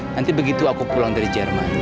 nanti begitu aku pulang dari jerman